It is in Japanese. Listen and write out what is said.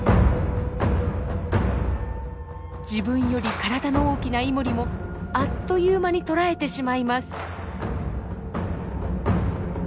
自分より体の大きなイモリもあっという間に捕らえてしまいます。